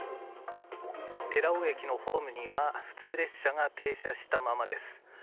寺尾駅のホームには普通列車が停車したままです。